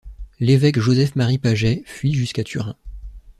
L'évêque Joseph-Marie Paget fuit jusqu'à Turin.